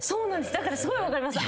だからすごい分かりました。